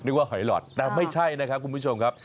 หอยหลอดแต่ไม่ใช่นะครับคุณผู้ชมครับ